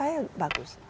kalau menurut saya bagus